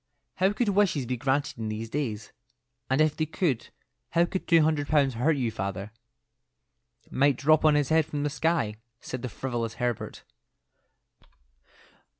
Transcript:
How could wishes be granted in these days? And if they could, how could two hundred pounds hurt you, father?" "Might drop on his head from the sky," said the frivolous Herbert.